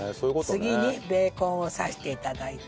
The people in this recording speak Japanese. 次にベーコンを刺して頂いて。